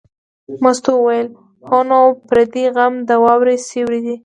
مستو وویل: هو نو پردی غم د واورې سیوری دی.